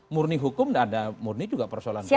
murni hukum dan ada murni juga persoalan hukum